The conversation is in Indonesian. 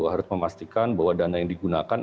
harus memastikan bahwa dana yang digunakan